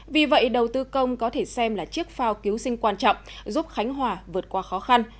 vì vậy đầu tư công có thể xem là chiếc phao cứu sinh quan trọng giúp khánh hòa vượt qua khó khăn